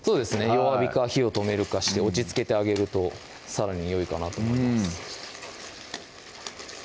弱火か火を止めるかして落ち着けてあげるとさらによいかなと思います